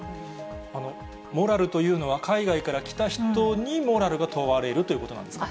モラルというのは、海外から来た人にモラルが問われるということなんですか。